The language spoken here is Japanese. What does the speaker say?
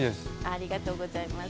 ありがとうございます。